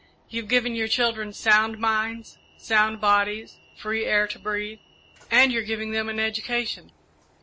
You've given your children sound minds, sound bodies, free air to breathe, and you're giving them an education.